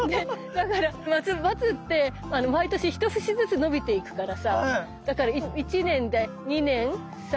だからマツって毎年一節ずつ伸びていくからさだから１年で２年３年４年５年６年。